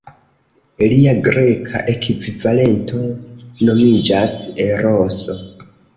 Lia greka ekvivalento nomiĝas Eroso.